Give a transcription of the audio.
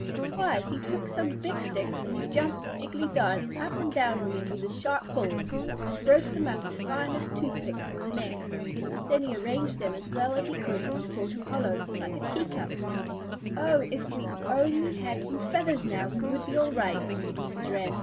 Why, he took some big sticks and he jumped a jiggily dance up and down on them with his sharp paws, and broke them up as fine as toothpicks for the nest. Then he arranged them as well as he could in a sort of hollow, like a tea cup. "Oh, if we only had some feathers now, we would be all right," said Mrs. Wren.